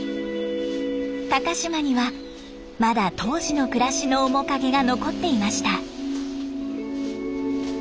高島にはまだ当時の暮らしの面影が残っていました。